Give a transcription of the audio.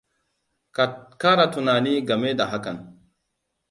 Ka Kara tunani game da hakan.